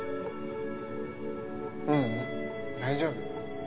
ううん大丈夫。